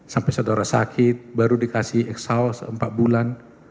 sampai saudara sakit baru dikasih exhaust empat bulan